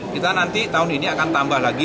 kita nanti tahun ini akan tambah lagi